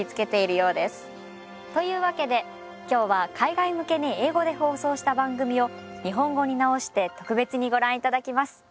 というわけで今日は海外向けに英語で放送した番組を日本語に直して特別にご覧いただきます。